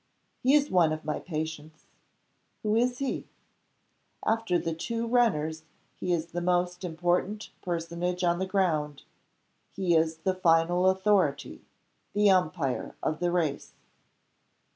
"He is one of my patients." "Who is he?" "After the two runners he is the most important personage on the ground. He is the final authority the umpire of the race."